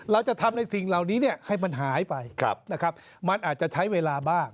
เราจะทำในสิ่งเหล่านี้ให้มันหายไปนะครับมันอาจจะใช้เวลาบ้าง